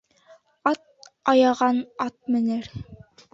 Ат аяған ат менер